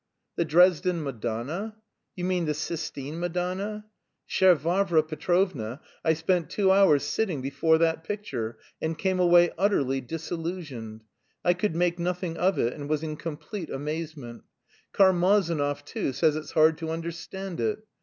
"The Dresden Madonna? You mean the Sistine Madonna? Chère Varvara Petrovna, I spent two hours sitting before that picture and came away utterly disillusioned. I could make nothing of it and was in complete amazement. Karmazinov, too, says it's hard to understand it.